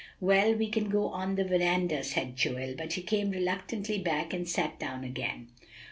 "Well, we can go on the veranda," said Joel; but he came reluctantly back and sat down again.